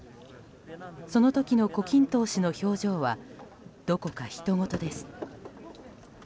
その時の胡錦涛氏の表情はどこかひとごとです。